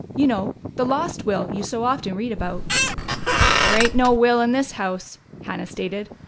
"You know 'the lost will' you so often read about." "There ain't no will in this house," Hannah stated.